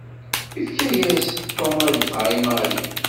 Yefka-yas Tom abeqqa i Mary.